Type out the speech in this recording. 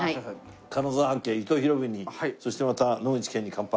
金沢八景伊藤博文にそしてまた野口健に乾杯。